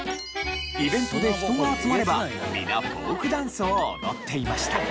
イベントで人が集まれば皆フォークダンスを踊っていました。